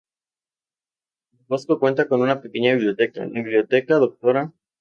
Don Bosco cuenta con una pequeña biblioteca, la biblioteca "Dra.